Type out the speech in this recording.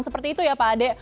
seperti itu ya pak ade